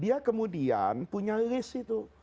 dia kemudian punya list itu